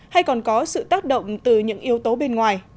hay còn có sự tác động từ những yếu tố bên ngoài